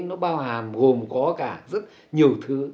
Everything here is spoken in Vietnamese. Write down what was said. nó bao hàm gồm có cả rất nhiều thứ